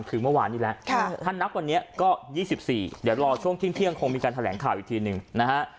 คือเมื่อวานนี้แล้วถ้านับวันนี้ก็๒๔เดี๋ยวรอช่วงเที่ยงคงมีการแถลงข่าวอีกทีหนึ่งนะฮะ